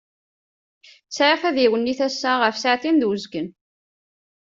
Sεiɣ tadiwennit assa ɣef ssaεtin d uzgen.